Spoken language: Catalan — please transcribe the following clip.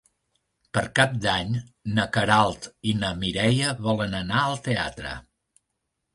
Per Cap d'Any na Queralt i na Mireia volen anar al teatre.